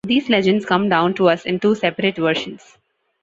These legends come down to us in two separate versions.